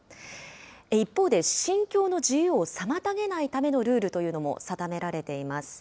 一方で、信教の自由を妨げないためのルールというのも定められています。